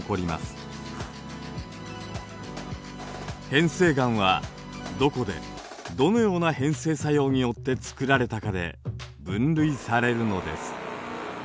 変成岩はどこでどのような変成作用によってつくられたかで分類されるのです。